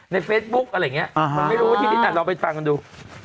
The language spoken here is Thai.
ในเฟสบุ๊คอะไรอย่างเงี้ยอ๋อไม่รู้ว่าที่ดินหลังไปฟังกันดู